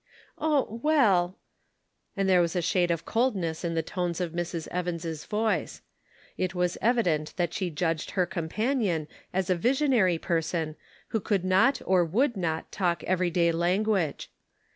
" Oh, well," and there was a shade of cold ness in the tones of Mrs. Evans' voice. It 138 The Pocket Measure. was evident that she judged her companion as a visionary person who could not or would not talk every day language.